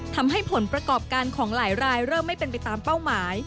ผลประกอบการของหลายรายเริ่มไม่เป็นไปตามเป้าหมาย